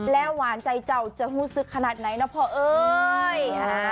แล้วหวานใจเจ้าจะฮูซึกขนาดไหนนะพ่อเอ้ย